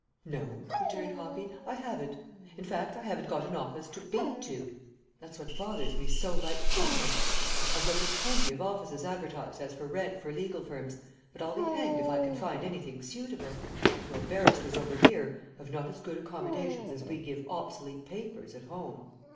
"No," returned Hoppy, "I haven't. In fact I haven't got an office to 'be to.' That's what bothers me so like thunder. I've looked at plenty of offices advertised as for rent for legal firms, but I'll be hanged if I can find anything suitable. Your barristers over here have not as good accommodations as we give obsolete papers at home.